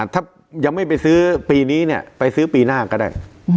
ถ้ายังไม่ไปซื้อปีนี้เนี่ยไปซื้อปีหน้าก็ได้